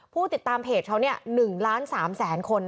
ผู้ติดตามเพจเขา๑ล้าน๓แสนคน